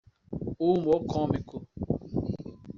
O humor cômico.